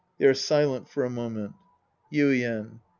{They are silent for a moment I) Yuien.